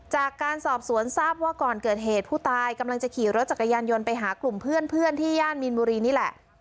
จากการสอบสวนทราบว่าก่อนเกิดเหตุผู้ตายกำลังจะขี่รถจักรยานยนต์ไปหากลุ่มเพื่อนที่ย่านมีนบุรีนี่แหละ